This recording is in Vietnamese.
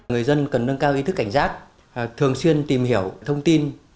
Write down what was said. người dân cần nâng cao ý thức cảnh giác thường xuyên tìm hiểu thông tin